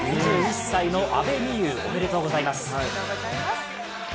２１歳の阿部未悠、おめでとうございます。